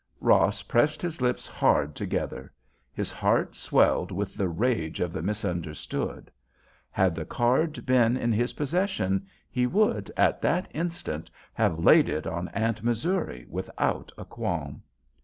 Ross pressed his lips hard together; his heart swelled with the rage of the misunderstood. Had the card been in his possession, he would, at that instant, have laid it on Aunt Missouri without a qualm.